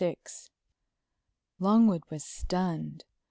VI Longwood was stunned.